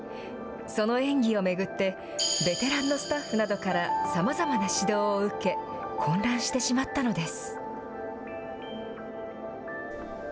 その演技を巡って、ベテランのスタッフなどからさまざまな指導を受け、混乱してしまったのです。